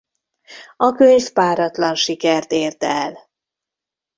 A könyv páratlan sikert ért el.